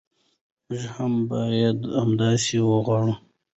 موږ هم باید همداسې وغواړو.